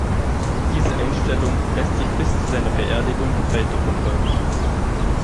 Diese Einstellung lässt sich bis zu seiner Beerdigung weiterverfolgen.